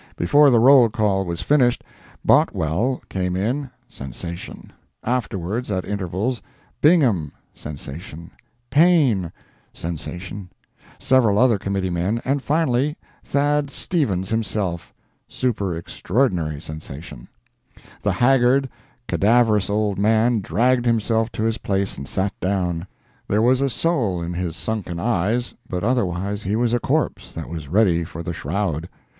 Before the roll call was finished, Boutwell came in [sensation]; afterwards, at intervals, Bingham [sensation], Paine [sensation], several other committee men, and finally Thad. Stevens himself. [Super extraordinary sensation!] The haggard, cadaverous old man dragged himself to his place and sat down. There was a soul in his sunken eyes, but otherwise he was a corpse that was ready for the shroud.